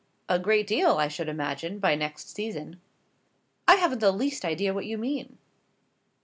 "A great deal, I should imagine, by next season." "I haven't the least idea what you mean."